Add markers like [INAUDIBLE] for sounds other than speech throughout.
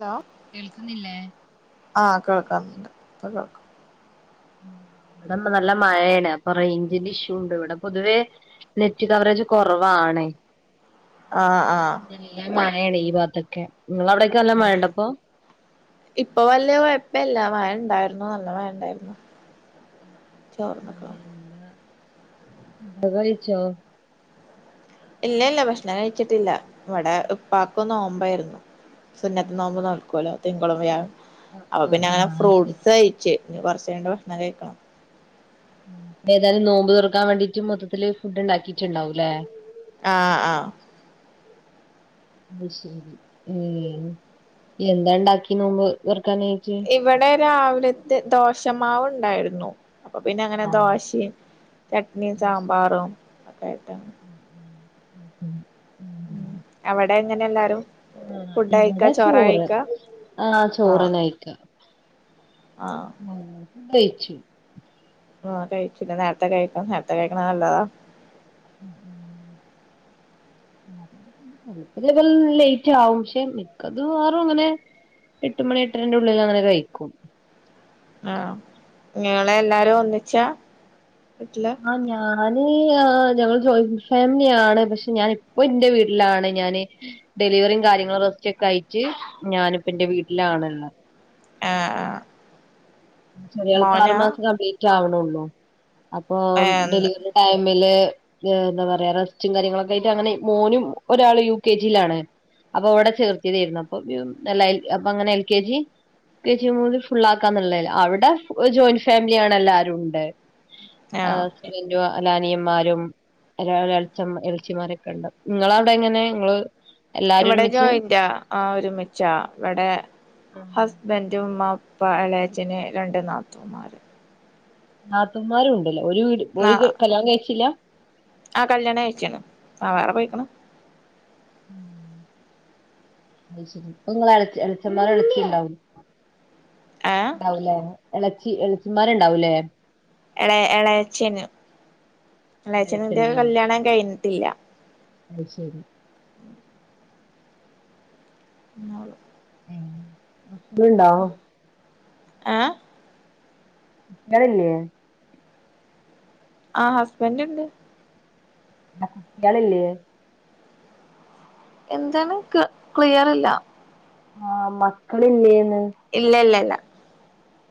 Hello കേൾക്കുന്നില്ലേ ആഹ് കേൾക്കാറുണ്ട് ഇപ്പം കേൾക്കാം ഇവിടെ നല്ല മഴയാണ് അപ്പൊ റേഞ്ചിന്റെ ഇഷ്യൂ ഉണ്ട് ഇവിടെ പൊതുവെ നെറ്റ് കവറേജ് കുറവാണ് ആഹ് ആഹ് നല്ല മഴയാണ് ഈ ഭാത്തൊക്കെ ഇങ്ങളെ അവിടെ ഉം ഇപ്പൊ വലിയ കുഴപ്പല്ല മഴ ഇണ്ടായിരുന്നു നല്ല മഴ ഇണ്ടായിരുന്നു ചോർന്ന്ക്ക്ണ് ഇങ്ങൾ കയിച്ചോ ഇല്ല ഇല്ല ഭക്ഷണം കഴിച്ചിട്ടില്ല ഇവിടെ ഉപ്പാക്കും ഇന്ന് നേമ്പോയിരുന്നു അത് സുന്നത്ത് നോമ്പ് ശരി നോക്കുവല്ലോ തിങ്കളും വ്യാഴവും ആഹ് അപ്പൊ ആഹ് പിന്നെ അങ്ങനെ ആഹ് അത് ശരി ഫ്രൂട്ട്സ് കഴിച്ച് ഇഞ് കുറച്ച് കഴിഞ് ഭക്ഷണം കഴിക്കണം ഏതായാലും നോമ്പ് തുറക്കാൻ വേണ്ടീട്ട് മൊത്തത്തില് ഫുഡ് ഉണ്ടാക്കിട്ടുണ്ടാവും ല്ലേ ആഹ് ആഹ് ഉ അത് ശരി ഉം എന്താ ഉണ്ടാക്കി നോമ്പ് തുറക്കാനായിട്ട് ഇവിടെ രാവിലത്തെ ദോഷമാവ് ഉണ്ടായിരുന്നു അപ്പൊ പിന്നെ അങ്ങനെ ആഹ് ദോശ ചട്നിയും അത് ശരി സാമ്പാറും ഒക്കെ ആയിട്ട് അങ്ങനെ ഉം ഉം അവിടെ എങ്ങനെ എല്ലാരും ആ ഫുഡ് കഴിക്കാ ഇവടെ ചോറാ ചോറ് കഴിക്കാ ആഹ് ചോറ് തന്നെ കയിക്കാ ആഹ് ഞങ്ങള് കഴിച്ചു ആ കഴിച്ചില്ല നേരത്തെ കഴിക്കണം നേരത്തെ കഴിക്കണം നല്ലതാ ഉ ഉ ഇപ്പം ഇതല് ഇപ്പം ലേറ്റ് ആകും പക്ഷെ മിക്കത് വറും അങ്ങനെ എട്ട് മണി എട്ടരന്റെ ഉള്ളിൽ അങ്ങനെ കഴിക്കും ആഹ് നിങ്ങള് എല്ലാരും ഒന്നിച്ചാ വീട്ടിലാ? ആ ഞാന് ആ ഞങ്ങള് ജോയിന്റ് ഫാമിലിയാണ് പക്ഷെ ഞാന് ഇപ്പം എന്റെ വീട്ടിലാണ് ഞാന് ഡെലിവറിയും കാര്യങ്ങളും റസ്റ്റൊക്കെ അയിട്ട് ഞാനിപ്പ എന്റെ വീട്ടിലാണ് ഉള്ളയ്. ഏഹ് ആഹ് ചെറിയാൾക്ക് ആറു മോനാ മാസം കംപ്ലീറ്റ് ആവ്ണൊള്ളൂ അപ്പൊ ഏഹ് ഡെലിവറി ടൈമില് എന്താ പറയാ റെസ്റ്റും കാര്യങ്ങളൊക്കെ ആയിട്ട് അങ്ങനെ മോനും ഒരാള് യു കെ ജിയിലാണ് അപ്പൊ വിടെ ചേർത്തിയതേര്ന്നു അപ്പൊ ല്ല അപ്പൊ അങ്ങനെ L K G K G മു [UNINTELLIGIBLE] ഫുള്ളാക്കാന്നള്ളല്ലേ അവിട ഒരു ജോയിന്റ് ഫാമിലിയാണ് എല്ലാരുണ്ട് ആഹ് [UNINTELLIGIBLE] അല്ലനിയന്മാരും ഒരാള എളച്ചം എളച്ചിമാരൊക്കണ്ട് ഇങ്ങളവ്ടെ എങ്ങനെ ഇങ്ങള് ഇവിടെ ജോയിന്റാ ആഹ് ഒരുമിച്ചാ ഇവടെ ഹസ്ബൻറും ഉമ്മ ഉ പ്പ എളേച്ചന് രണ്ട് നാത്തൂന്മാര് നാത്തൂന്മാരും ണ്ട്ലെ ഒരു വീട് നാ ഓര് കല്യാണം കഴിച്ചില്ല? ആഹ് കല്യാണം കൈച്ണ് ആഹ് വേറെ പോയിക്ക്ണ്. ഉം അയ് ശരി ഇപ്പങ്ങളെ എളച് എളചമ്മാരും എളച്ചിണ്ടാവും ഏഹ് ഇണ്ടാവുലേ എളച്ചി എളച്ചിമാര് ഇണ്ടാവൂലെ? എളെ എളയച്ച്ചനും അയ്ശരി എളേച്ചന്റെ ആ കല്യാണം കഴിഞ്ഞിട്ടില്ല. അയ്ശരി [UNINTELLIGIBLE] ഏഹ് മക്കള് ണ്ടോ? ആഹ് [UNINTELLIGIBLE] ളില്ലേ? ആഹ് ഹസ്ബന്റ് ണ്ട് ആൺ കുട്ട്യാളില്ലേ? എന്താണ് ക് ക്ലിയർല്ല ആൺമക്കളില്ലേന്ന് ഇല്ല ല്ല ല്ല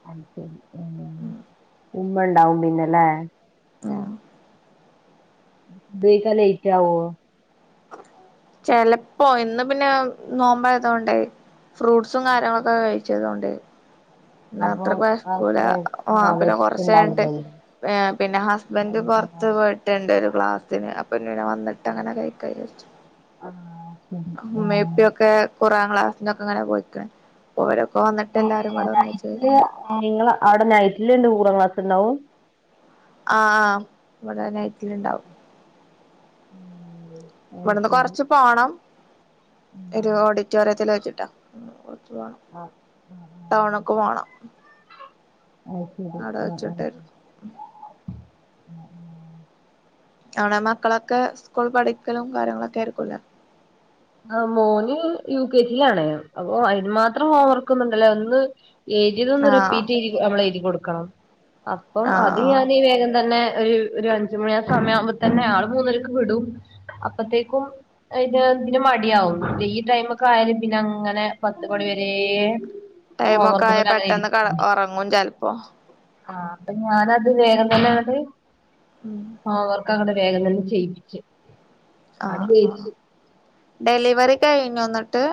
അയ്ശരി ഏഹ് ഉം ഉമ്മണ്ടാവും പിന്നെലെ ആഹ് [UNINTELLIGIBLE] ലേറ്റ് ആവോ? ചെലപ്പോ ഇന്ന് പിന്നെ നോമ്പായതോണ്ടെയ് ഫ്രൂട്ട്സും ആഹ് കാര്യങ്ങളൊക്കെ ആഹ് കഴിച്ചതോണ്ടേ ന്നാ അപ്പൊ അത്ര കൊയ്ക്കൂല ആഹ് ആഹ് പിന്നെ കൊർചൈഞ്ഞിട്ട് വിശപ്പുണ്ടാവൂലല്ലേ ഏഹ് പിന്നെ ഹസ്ബന്റ് ആഹ് ആഹ് പൊർത്ത് പോയി രണ്ട് പേര് ക്ലാസ്സിന് അപ്പൊ പിന്നീനെ വന്നിട്ട് അങ്ങനെ കൈക്കാചാരിച്ചു ആഹ് ശരി ഉമ്മേപ്പിയൊക്കെ കുറാൻ ക്ലാസിനൊക്കെ ഇങ്ങനെ പോയിക്കാണ് ഓരൊക്കെ വന്നിട്ട് ആഹ് എല്ലാരുംബാടെ ഒന്നിച് കഴി ഏഹ് നിങ്ങളെ അവിടെ നൈറ്റില് ണ്ട് കുറാം ക്ലാസ്ണ്ടാവും? ആഹ് ആഹ് ഇവിടെ നൈറ്റില് ഇണ്ടാവും ഉം ഇവിട്ന്ന് അയ്ശരി കൊർച്ച് പോണം ഒരു ആഹ് ഓഡിറ്റോറിയത്തിൽ വെച്ചിട്ടാ കൊർച്ച് പോണം ആഹ് ആഹ് ടൗണ്ക്ക് പോണം അയ് ശരി അവിടെ ആഹ് ആഹ് വെച്ചിട്ട് അവ്ടെ മക്കളൊക്കെ സ്കൂൾ പഠിക്കലും കാര്യങ്ങളൊക്ക ആയിരിക്കുലെ? ആഹ് മോന് യൂ കേജീ ലാണ് അപ്പൊ അയിന് മാത്രം ഹോംവർക്ക് ഒന്നുണ്ടലെ ഒന്ന് എഴുതിതൊന്ന് ആഹ് റിപ്പീറ്റ് നമ്മളെഴുതി കൊടുക്കണം അപ്പം ആഹ് അത് ആഹ് ഞാനി ഈ വേഗം തന്നെ ഒര് ഒരു അഞ്ച് മണി സമയാവുമ്പൊ തന്നെ ആൾ മൂന്നരക്ക് വിടും അപ്പത്തേക്കും ഇത് ന് മടിയാവും ഈ ടൈമൊക്കെ ആയാലും പിന്നെ അങ്ങനെ പത്ത്മണി വരേം ടൈമൊക്ക ആയാ പെട്ടെന്ന് ഒറങ്ങും ചെല്പ്പൊ ആഹ് അപ്പൊ ഞാനത് വേഗം തന്നെ അങ്ങ്ട്ട് ഉം ഹോമ് വർക്കങ്ങ്ട് വേഗം തന്നെ ചെയ്യിപ്പിച്ച് അത് ആഹ് ജയിച്ച് ആഹ് ഡെലിവറി കഴിഞ്ഞു ഇന്ന്ട്ട്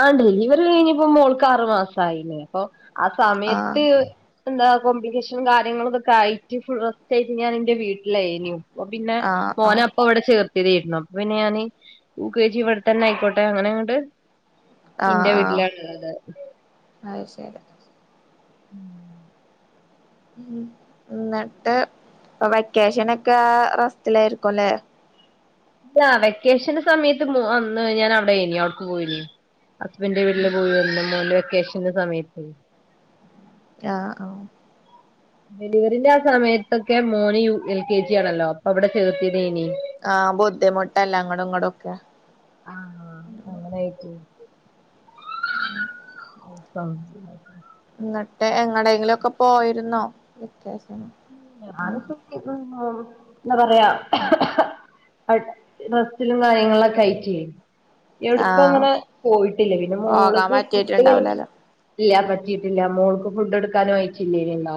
ആഹ് ഡെലിവറി കഴിഞ്ഞപ്പൊ മോൾക്ക് ആറു മാസയിലെ ഇപ്പൊ ആഹ് ആഹ് സമയത്ത് എന്താ കോംപ്ലിക്കേഷ്നും കാര്യങ്ങളൊക്കെ ആയിട്ട് ഫുൾ റസ്റ്റ് ആയിട്ട് ഞാൻ എന്റെ വീട്ടിലയ്നു ഇപ പിന്നെ ആഹ് മോന ആഹ് അപ്പൊ ഇവ്ടെ ചേർത്തിയതേര്ന്നു ഇപ്പൊ പിന്നെ ഞാന് യൂ കേ ജി ഇവിടെ തന്നെ ആയിക്കോട്ടെ അങ്ങനെ അങ്ങ്ട്ട് ആഹ് ആഹ് അയ് ശരി [INAUDIBLE] ഉം ഇന്ന്ട്ട് വെക്കേഷനൊക്ക റസ്റ്റിലായിരിക്കുലേ ഇല്ല വെക്കേഷന്റെ സമയത്ത് മോ അന്ന് ഞാൻ അവ്ടേന് അവ്ട്ക്ക് പോയീന് ഹസ്ബൻഡന്റെ വീട്ടില് പോയി വന്നു മോ വെക്കേഷൻ സമയത്ത് ആഹ് ആഹ് ഡെലിവറിന്റെ ആഹ് സമയത്തൊക്ക മോന് എൽ കേ ജി ആണലൊ അപ്പൊ അവ്ടെ ചേർത്തിയേതിനി ആഹ് ബുദ്ധിമുട്ടല്ലെ അങ്ങ്ടും ഇങ്ങ്ടു ഒക്കെ ആഹ് അങ്ങനെ ആയിന്ന് ആഹ് ഇന്നിട്ട് എങ്ങ്ടേങ്ങിലൊക്ക പോയിരുന്നൊ [UNINTELLIGIBLE] റെസ്റ്റിലും കാര്യങ്ങളൊക്കായിട്ടെ എവ്ട്ക്കും ആഹ് അങ്ങനെ പോയിട്ടില്ല പിന്നെ പോകാൻ മോള്ക്ക് ഫുഡ്ഡ് കൊടുത്ത് പറ്റിട്ടുണ്ടാവൂലല്ലോ ഇല്ല പറ്റീട്ടില്ല മോൾക്ക് ഫുഡ്ഡ് കൊടുക്കാനും ആയിട്ടില്ലലൊ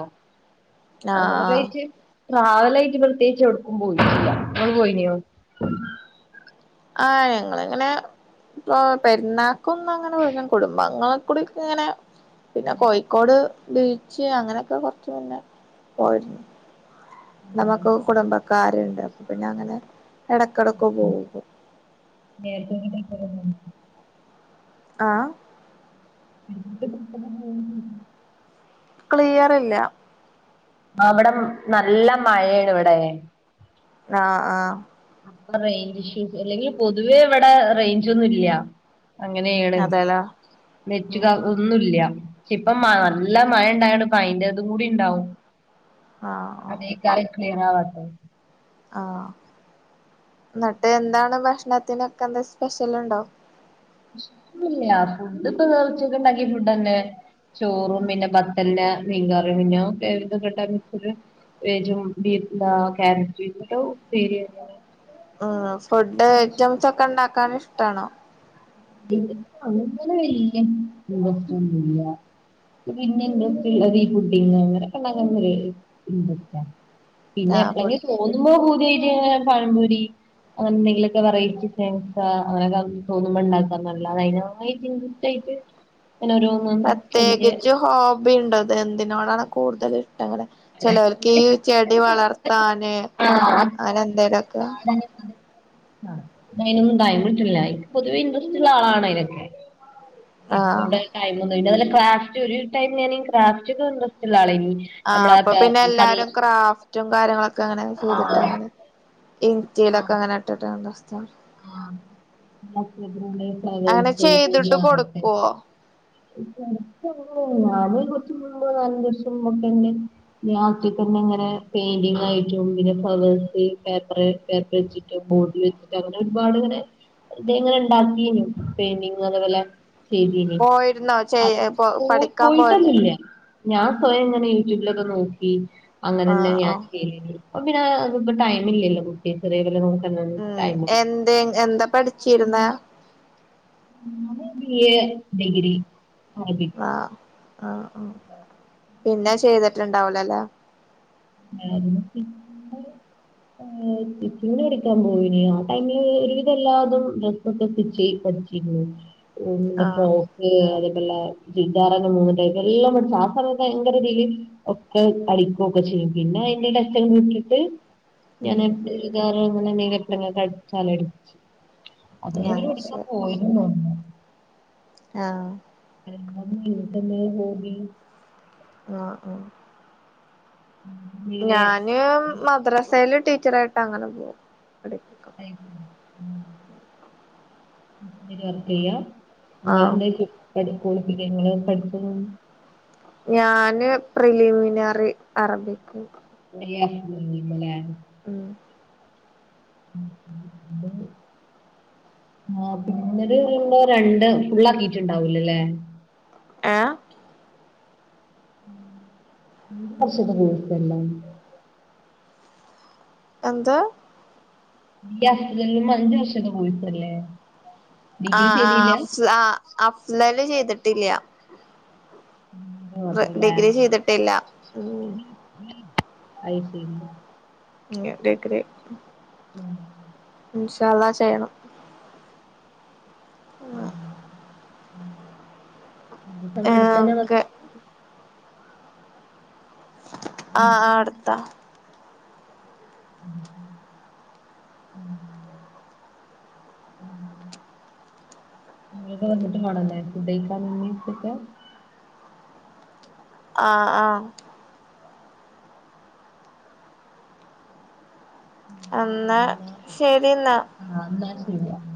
അങ്ങനെ ആഹ് കയിച്ചു ട്രാവലായിട്ട് യിട്ട് പ്രത്യേകിച്ച് എവിട്ക്കും പോയിട്ടില്ല ഇങ്ങള് പോയിനോ ആഹ് ഞങ്ങളെങ്ങനെ ആഹ് പെരുന്നാക്കൊന്നങ്ങനെ പോ കുടുംബങ്ങളക്കൂടി ഇങ്ങനെ പിന്നെ കോഴിക്കോട് ബീച്ച് അങ്ങനെയൊക്കെ കൊറ്ച്ച് മുന്നെ പോയിരുന്നു നമുക്ക് കുടുംബക്കാര്ണ്ട് അപ്പൊ പിന്ന അങ്ങനെ എടക്കെടക്ക് പോകും [UNINTELLIGIBLE] ആഹ് [UNINTELLIGIBLE] ക്ലിയറില്ല അവ്ടം നല്ല മഴേണ് ഇവ്ടെ ആഹ് ആഹ് റെയ്ഞ്ച് ഇഷ്യു അല്ലെങ്കി പൊതുവേ ഇവ്ടെ റെയ്ഞ്ച് ഒന്നുല്ല അങ്ങനേണ് അതെല്ലേ നെറ്റ് ഉം [UNINTELLIGIBLE] ഒന്നൂല്യ ഇപ്പ നല്ല മഴ ഇണ്ടായോണ്ട് ഇപ്പ അതിന്റെതുംകൂടി ഇണ്ടാവും ആഹ് ആഹ് അതെകരം ക്ലിയർവാതെ ആഹ് ന്നിട്ട് എന്താണ് ഭക്ഷണത്തിനൊക്കെ എന്താ സ്പെഷ്യൽ ഉണ്ടോ ഇല്ല്യ ഫുഡക്കെ ഇപ്പോ വേ ഉച്ചക്ക് ഉണ്ടാകിയ ഫുഡ്ന്നെ ചോറും പിന്നെപതല് മീൻകറിനും [UNINTELLIGIBLE] വരും ബീന കാരറ്റ് ഇട്ട ഉപ്പേരിയ ആഹ് ഫുഡ് ആയിട്ടംസ് ഒക്കെണ്ടാക്കാൻ ഇഷ്ടണോ [INAUDIBLE] പിന്നെ ഇന്ന് ഇൻഡ്രസ്റ്റ്ള്ളത് ഈ പുഡ്ഡിങ്ങ് അങ്ങനൊകെണ്ടാകാൻ വെല്ല്യ ഇൻഡ്രസ്റ്റാ പിന്നെ ആഹ് എപ്പളെങ്കിലും തോന്നുമ്പോ പൂതിയായിട്ട് പഴംപൊരി എന്തെങ്കിലൊക്കെ വെറൈറ്റി സ്നാക്സാ അങ്ങനൊക്കെ തോന്നുമ്പോ ഉണ്ടാക്ക് അല്ലാതെ അയിനായിട്ട് [INAUDIBLE] അങ്ങനോരോ പ്രത്യേകിച്ച് ഹോബിണ്ടോ ഇത് എന്തിനോടാണ് കൂടുതൽ ഇഷ്ടങ്ങള് ചെലോർക്ക് ഈ ചെടി വളർത്താന് അങ്ങനെ എന്തേലൊക്കെ [INAUDIBLE] ആഹ് അയിനൊന്നും ട്ടൈമ്ട്ട്ല്ല ഇൻക് പൊതുവെ ഇൻഡ്രസ്റ്റ്ള്ള ആളാണ് അയിനൊക്കെ ആഹ് ഇപ്പൗടെ ടൈമൊന്നയ്ന് വല്ല ക്രഫ്റ്റ് ഒര് ടൈമ് ഞാന് ക്രാഫ്റ്റൊകെ നല്ല ഇൻഡ്രസ്റ്റ്ള്ളാളേനി ആഹ് അപ്പൊ പിന്നെ എല്ലാരും ക്രാഫ് റ്റും കാര്യങ്ങളൊക്കെ അങ്ങനെ ചെയ്തിട്ടങ്ങനെ ഇൻസ്ലൊറ്റീകങ്ങനെ ഇട്ടിട്ട് [INAUDIBLE] ആഹ് മറ്റേതിനൊണ്ട് അങ്ങനെ ഫ്ലവേയ്സ് ചെയ്തിട്ട് [INAUDIBLE] ആർക്ക് കൊടുക്കുവോ [UNINTELLIGIBLE] ഞാൻ ഒറ്റകെന്നെ ഇങ്ങനെ പെയിന്റിങ് ആയിട്ടും പിന്നെ ഫ്ലവേഴ്സ് പേപ്പറ് പേപ്പറ് വെച്ചിട്ട് ബോട്ടിൽ വെച്ചിട് അങ്ങനെ ഒരുപാട്ങ്ങനെ ഇതങ്ങനെ ഇണ്ടാക്കീനി പെയിൻ്റിങ്ങ് അതേപോലെ ചെയ്തീനി പോയിരുന്നോ അത് ചെയ്യ പോയി പഠിക്കാൻ പോയിരുന്നോ പോയിട്ടൊന്നുല്ല ഞാൻ സ്വയംങ്ങനെ യൂട്യൂബിലൊക്കെ നോക്കി അങ്ങനെന്നെ ആഹ് ഞാൻ ആഹ് ചെയ്തീനെ ഇപ്പം പിന്നെ ടൈമില്ലല്ലോ കുട്ടി ചെറ്യേതിനെ നോകാള്ളോണ്ട് എന്തേ എന്താ പഠിച്ചിര്ന്നെ ഞാന് ബി എ ഡഗ്രി അറബി ആഹ് ആഹ് ആഹ് പിന്നെ ചെയ്തിട്ടുണ്ടാവൂലല്ല [UNINTELLIGIBLE] ഏഹ് സ്റ്റിച്ചിങ്ങിന് പടിക്കാൻ പോയീനി ആഹ് ടൈമില് ഒരുവിധ എല്ലാതും ഡ്രസൊക്കെ സ്റ്റിച്ച് ചെയ്ത് പഠിച്ചിരുന്നു [UNINTELLIGIBLE] പിന്നെ ഫ്രോ ആഹ് ക്ക് അതേപോലെ ചുരിദാറൊകെ മൂന്ന് ട്ടൈപ് എല്ലാം പഠ്ച് ആഹ് സമയത്ത് ഭയങ്കരതീല് ഒക്കെ അടിക്കൊക്കെ ചെയ്യും പിന്നെ അയിന്റെ ട്ടെച്ചകെ വിട്ടിട്ട് ഞാന് ഉം [UNINTELLIGIBLE] അട്ചാലട്ച് ആഹ് [UNINTELLIGIBLE] ശരി പോയീന്ന് തോന്നുന്നു ആഹ് എന്താണ് നിനകെന്താണ് ഹോബി ആഹ് ആഹ് ഉം ഞാന് മദ്രാസേല് ടീച്ചറായിട്ടങ്ങനെ പോകും പഠി [UNINTELLIGIBLE] ഉം വർക്കെയ്യാ ആഹ് ഇങ്ങളെന്തേ കുക് പഠി കോളിഫികേ ഇങ്ങള് പഠ്ചെൻ ഞാന് പ്രിലിമിനറി അറബിക്ക് [INAUDIBLE] ഉം മ്മ്മ് ആഹ് പിന്നൊരുള്ള രണ്ട് ഫുള്ളാ ക്കീട്ട്ണ്ടാവൂലല്ലേ ഏഹ് [UNINTELLIGIBLE] എന്താ ഈ അഫ്ളലിന് അഞ്ചു വർഷത്തെ കോഴ്സല്ലേ ആഹ് ആഹ് അഫ്ള് അഫ്‌ളല് ചെയ്തിട്ടില്ല [UNINTELLIGIBLE] ഡിഗ്രി ചെയ്തിട്ടില്ല ഉം അത് ശെരി ഇങ്ങോട്ടേക്ക് ദേ മ്മ് ഇൻഷാ അള്ളാഹ് ചെയ്യണം [UNINTELLIGIBLE] അടുത്ത് ഏഹ് തന്നെ ഓക്കെ ഇവിടെ ആഹ് അടുത്ത് ആഹ് തന്നെ? അടുത്താ ഉം ഉം ഉം ങ്ങോട്ട് വന്നിട്ട് വേണല്ലേ ഫുഡ്‌കഴിക്കാനൊക്കെ ആഹ് ആഹ് എന്നാ ശെരി ന്നാ ആഹ് എന്നാ ശെരി ആഹ്